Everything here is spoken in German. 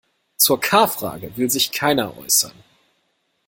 Zur K-Frage will sich keiner äußern.